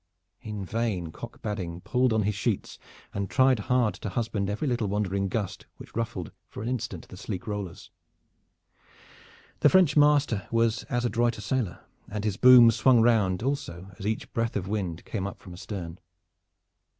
In vain Cock Badding pulled on his sheets and tried hard to husband every little wandering gust which ruffled for an instant the sleek rollers. The French master was as adroit a sailor, and his boom swung round also as each breath of wind came up from astern.